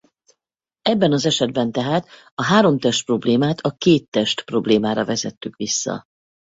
Ebben az esetben tehát a háromtest-problémát a kéttest-problémára vezettük vissza.